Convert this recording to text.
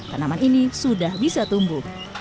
tanaman ini sudah bisa tumbuh